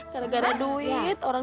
gara gara duit orang